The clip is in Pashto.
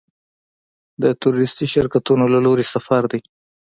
د تورېستي شرکتونو له لوري سفر دی.